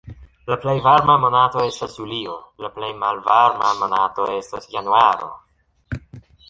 La plej varma monato estas julio, la plej malvarma estas januaro.